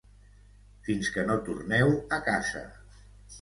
Fins que no torneu a casa